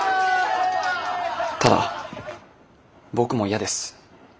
ただ僕も嫌です。